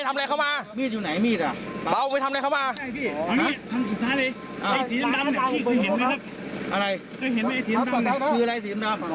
ตำรวจสาวพวกมึงสระบุรี